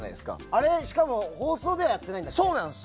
あれ、しかも放送ではやってないんだよね。